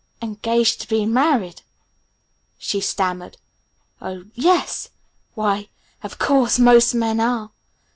"Engaged to be married?" she stammered. "Oh, yes! Why of course! Most men are!